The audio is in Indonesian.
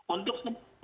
untuk semua masyarakat